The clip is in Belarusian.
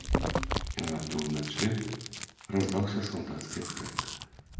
І раптам ўначы раздаўся салдацкі крык.